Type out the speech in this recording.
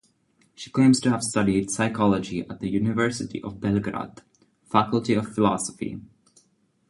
She claims to have studied psychology at the University of Belgrade Faculty of Philosophy.